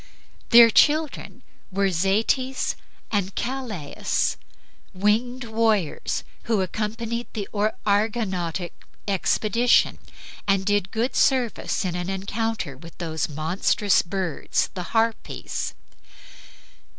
Their children were Zetes and Calais, winged warriors, who accompanied the Argonautic expedition, and did good service in an encounter with those monstrous birds the Harpies.